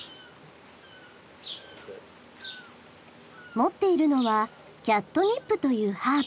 持っているのはキャットニップというハーブ。